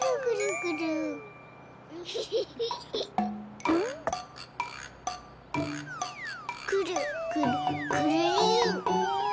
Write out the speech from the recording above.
くるくるくるりん。